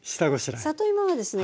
里芋はですね